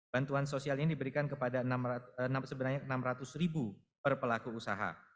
bantuan sosial ini diberikan kepada enam ratus ribu per pelaku usaha